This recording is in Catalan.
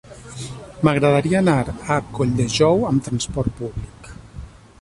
M'agradaria anar a Colldejou amb trasport públic.